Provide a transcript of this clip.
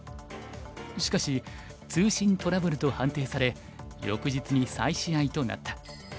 しかし通信トラブルと判定され翌日に再試合となった。